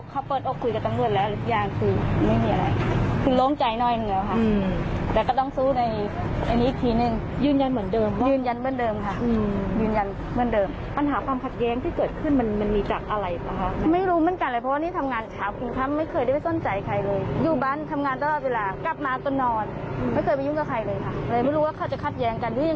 เขาเปิดอกคุยกับตำรวจแล้วแล้วอีกอย่างคือไม่มีอะไรคือล้มใจน้อยมันก็ค่ะอืมแต่ก็ต้องสู้ในอันนี้อีกทีหนึ่งยืนยันเหมือนเดิมค่ะยืนยันเหมือนเดิมค่ะอืมยืนยันเหมือนเดิมปัญหาความขัดแยงที่เกิดขึ้นมันมีจากอะไรป่ะฮะไม่รู้เหมือนกันเลยเพราะว่านี่ทำงานขาวคุณครับไม่เคยได้ไปส้นใจใครเลยอยู่บ้าน